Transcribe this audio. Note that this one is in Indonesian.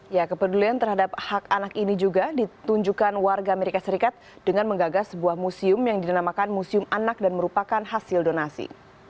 ya kepedulian terhadap hak anak ini juga ditunjukkan warga amerika serikat dengan menggagas sebuah museum yang dinamakan museum anak dan merupakan hasil donasi